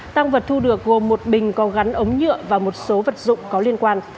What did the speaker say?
tăng vật thu được gồm một bình có gắn ống nhựa và một số vật dụng có liên quan